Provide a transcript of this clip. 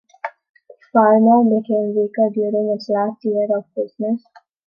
Phar-Mor became weaker during its last years of business.